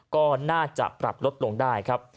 ก็น่าจะปรับลดลงได้ครับ